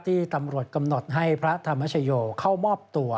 ตำรวจกำหนดให้พระธรรมชโยเข้ามอบตัว